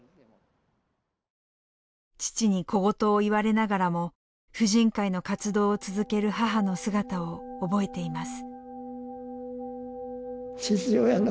父に小言を言われながらも婦人会の活動を続ける母の姿を覚えています。